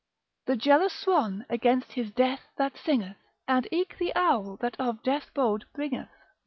The jealous swanne against his death that singeth, And eke the owle that of death bode bringeth.